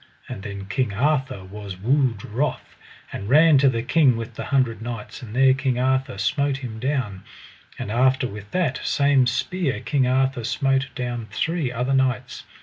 And then King Arthur was wood wroth, and ran to the King with the Hundred Knights, and there King Arthur smote him down; and after with that same spear King Arthur smote down three other knights.